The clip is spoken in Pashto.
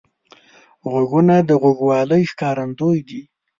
غوږونه د غوږوالۍ ښکارندوی دي